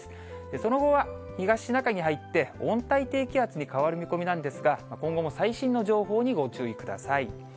その後は東シナ海に入って、温帯低気圧に変わる見込みなんですが、今後も最新の情報にご注意ください。